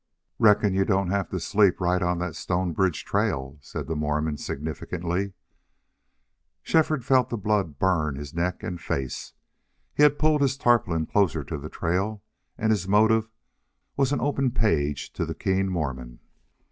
"Reckon you don't have to sleep right on that Stonebridge trail," said the Mormon, significantly. Shefford felt the blood burn his neck and face. He had pulled his tarpaulin closer to the trail, and his motive was as an open page to the keen Mormon.